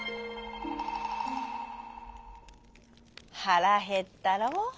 「はらへったろう。